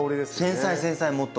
繊細繊細もっと。